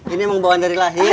ini memang bawaan dari lahir